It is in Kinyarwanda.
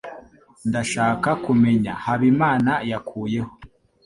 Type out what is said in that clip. Ndashaka kumenya Habimana yakuyeho.